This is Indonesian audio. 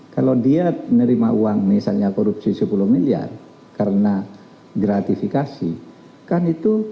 kalau dia menerima uang misalnya korupsi sepuluh miliar karena gratifikasi kan itu